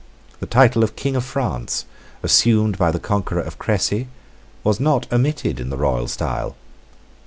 The title of King of France, assumed by the conqueror of Cressy, was not omitted in the royal style.